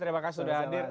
terima kasih sudah hadir